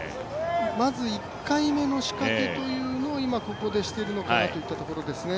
まず１回目の仕掛けというのをここでしてるのかなといったところですね。